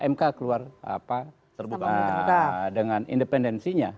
mk keluar terbuka dengan independensinya